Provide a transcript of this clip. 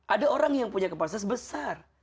ada orang yang punya kapasitas besar